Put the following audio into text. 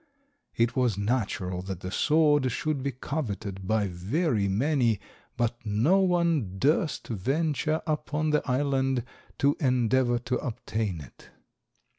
It was natural that the sword should be coveted by very many, but no one durst venture upon the island to endeavour to obtain it.